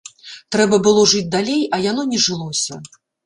Трэба было жыць далей, а яно не жылося.